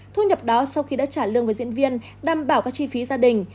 thu nhập đó sau khi đã trả lương với diễn viên đảm bảo các chi phí gia đình